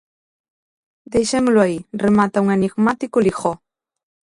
Deixémolo aí, remata un enigmático Lijó.